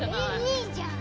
いいじゃん！